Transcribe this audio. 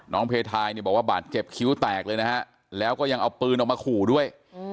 เพทายเนี่ยบอกว่าบาดเจ็บคิ้วแตกเลยนะฮะแล้วก็ยังเอาปืนออกมาขู่ด้วย